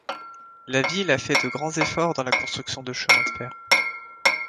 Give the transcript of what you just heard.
La ville a fait de grands efforts dans la construction de chemins de fer.